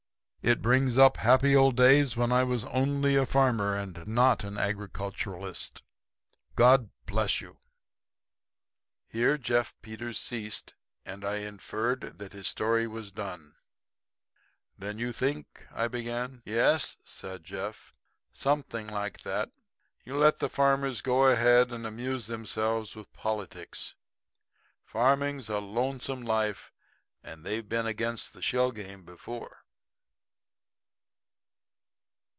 It brings up happy old days when I was only a farmer and not an agriculturalist. God bless you."'" Here Jeff Peters ceased, and I inferred that his story was done. "Then you think" I began. "Yes," said Jeff. "Something like that. You let the farmers go ahead and amuse themselves with politics. Farming's a lonesome life; and they've been against the shell game before."